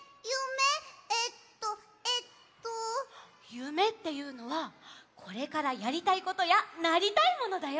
ゆめっていうのはこれからやりたいことやなりたいものだよ。